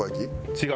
違う。